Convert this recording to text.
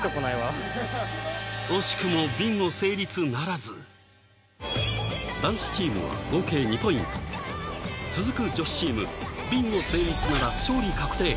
惜しくもビンゴ成立ならず男子チームは合計２ポイント続く女子チームビンゴ成立なら勝利確定！